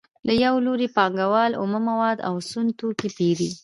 له یو لوري پانګوال اومه مواد او سون توکي پېري